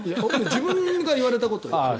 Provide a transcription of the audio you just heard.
自分が言われたことよ。